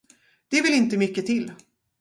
Det vill inte mycket till.